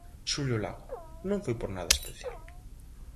Xulio Lago: Non foi por nada especial.